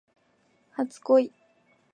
初恋